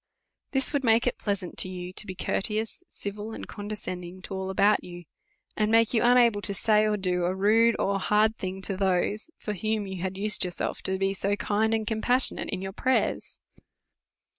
This would make it pleasant to you to be courteous, civil, and condescending to all about you ; and make you unable to say or do a rude or hard thing to those, for whom you have used yourself to be so kind and compassionate in your prayers.